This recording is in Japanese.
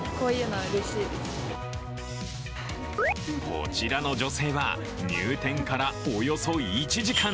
こちらの女性は入店からおよそ１時間。